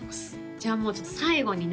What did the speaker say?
じゃあもうちょっと最後にね